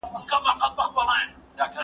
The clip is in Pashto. زه مخکي منډه وهلې وه؟